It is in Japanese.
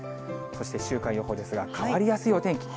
そして週間予報ですが、変わりやすいお天気。